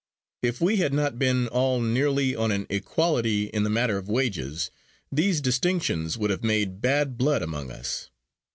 If we had not been all nearly on an equality in the matter of wages, these distinctions would have made bad blood among us.